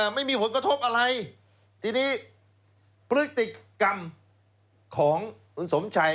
ไม่มีผลกระทบอะไรทีนี้พฤติกรรมของคุณสมชัย